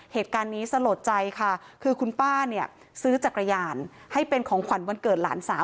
เหตุการณ์นี้สลดใจค่ะคือคุณป้าเนี่ยซื้อจักรยานให้เป็นของขวัญวันเกิดหลานสาว